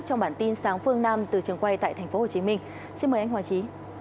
trong bản tin sáng phương nam từ trường quay tại tp hcm xin mời anh hoàng trí